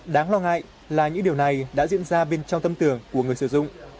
đáng lo ngại là những điều này đã diễn ra bên trong tâm tưởng của người sử dụng